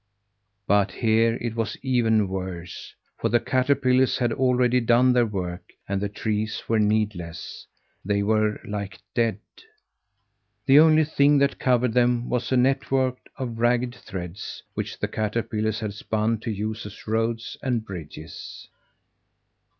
But here it was even worse; for the caterpillars had already done their work, and the trees were needleless. They were like the dead. The only thing that covered them was a network of ragged threads, which the caterpillars had spun to use as roads and bridges.